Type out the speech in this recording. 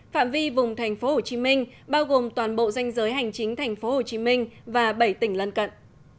phạm vi vùng tp hcm bao gồm toàn bộ danh giới hành chính tp hcm và bảy tỉnh lân cận